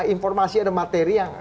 informasi ada materi yang